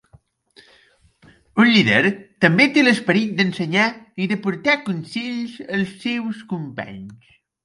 Un líder, també té l'esperit d'ensenyar i d'aportar consells als seus companys.